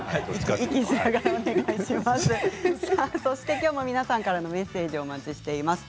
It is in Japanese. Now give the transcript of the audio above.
きょうも皆さんからのメッセージをお待ちしています。